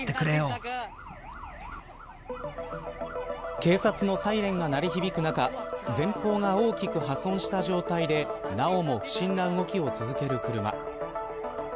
警察のサイレンが鳴り響く中前方が大きく破損した状態でなおも不審な動きを続ける車。